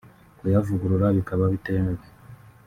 kuyavugurura bikaba bitemewe